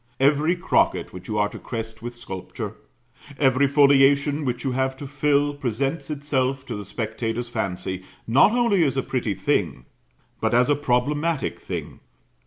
Every crocket which you are to crest with sculpture, every foliation which you have to fill, presents itself to the spectator's fancy, not only as a pretty thing, but as a problematic thing.